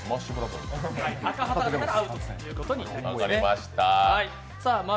赤旗立ったらアウトということになります。